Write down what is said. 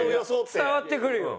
伝わってくるよ。